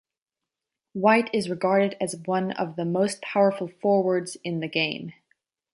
White is regarded as one of the most powerful forwards in the game.